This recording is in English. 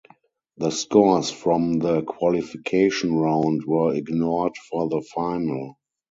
The scores from the qualification round were ignored for the final.